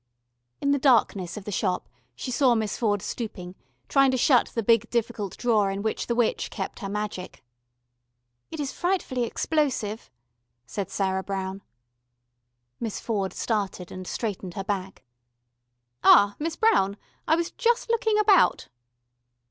In the darkness of the Shop she saw Miss Ford stooping, trying to shut the big difficult drawer in which the witch kept her magic. "It is frightfully explosive," said Sarah Brown. Miss Ford started and straightened her back. "Ah, Miss Brown.... I was just looking about...."